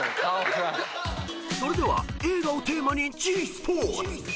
［それでは映画をテーマにｇスポーツ］